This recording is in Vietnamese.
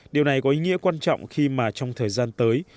điều này có ý nghĩa quan trọng khi mà trong thời gian tới